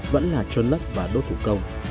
vẫn là trôn lớp và đốt thủ công